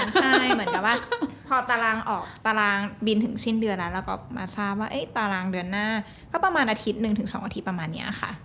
ใช่เหมือนกับว่าพอตารางออกตารางบินถึงสิ้นเดือนแล้วเราก็มาทราบว่าตารางเดือนหน้าก็ประมาณอาทิตย์หนึ่งถึง๒อาทิตย์ประมาณนี้ค่ะ